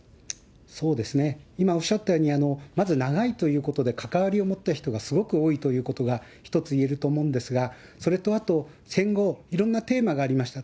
そうですね、今おっしゃったように、まず長いということで、関わりを持った人がすごく多いということが一つ言えると思うんですが、それとあと、戦後、いろんなテーマがありました。